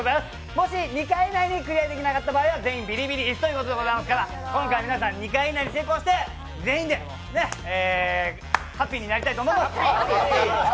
もし２回以内にクリアできなかった場合は全員ビリビリ椅子ということですから今回皆さん、２回以内に成功して全員でハッピーになりたいと思います。